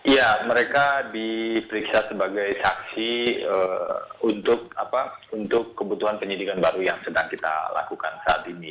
ya mereka diperiksa sebagai saksi untuk kebutuhan penyidikan baru yang sedang kita lakukan saat ini